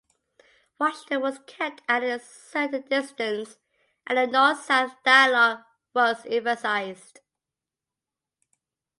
Washington was kept at a certain distance, and the North-South dialogue was emphasized.